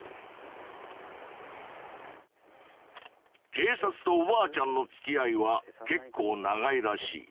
警察とおばあちゃんのつきあいは結構長いらしい。